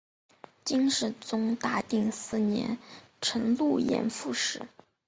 金世宗大定四年辰渌盐副使。